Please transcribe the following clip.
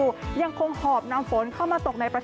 ส่วนในระยะนี้หลายพื้นที่ยังคงพบเจอฝนตกหนักได้ค่ะ